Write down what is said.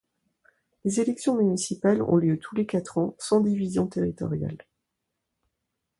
Les élections municipales ont lieu tous les quatre ans sans division territoriale.